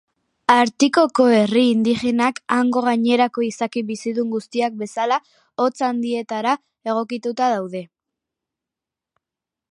Artikoko herri indigenak, hango gainerako izaki bizidun guztiak bezala, hotz handietara egokituta daude.